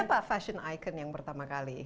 apa fashion icon yang pertama kali